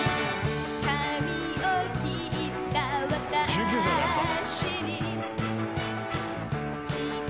１９歳だやっぱ。